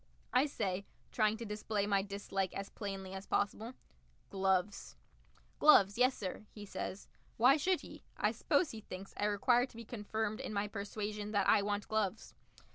I say, trying to display my dislike as plainly as possible, "Gloves." "Gloves, yessir," he says. Why should he? I suppose he thinks I require to be confirmed in my persuasion that I want gloves.